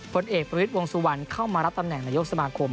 ผลเอกประวิทย์วงสุวรรณเข้ามารับตำแหน่งนายกสมาคม